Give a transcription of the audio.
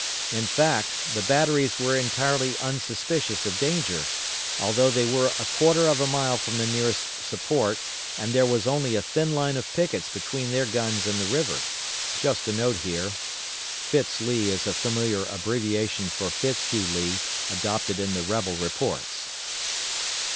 In fact, the batteries were entirely unsuspicious of danger, although they were a quarter of a mile from the nearest support and there was only a thin line of pickets between their guns and the river. [* A familiar abbreviation for Fitz Hugh Lee, adopted in the rebel reports.